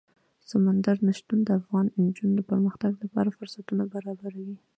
سمندر نه شتون د افغان نجونو د پرمختګ لپاره فرصتونه برابروي.